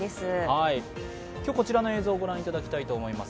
今日、こちらの映像を御覧いただきたいと思います。